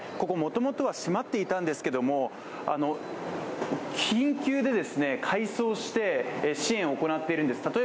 ここもともとは閉まっていたんですけれども緊急で改装して支援を行っているんです。